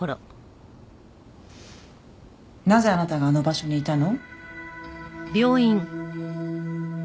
なぜあなたはあの場所にいたの？